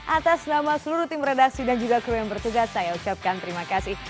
atas nama seluruh tim redaksi dan juga kru yang bertugas saya ucapkan terima kasih